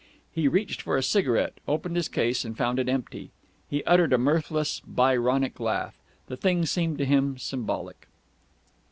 He reached for a cigarette, opened his case, and found it empty. He uttered a mirthless, Byronic laugh. The thing seemed to him symbolic.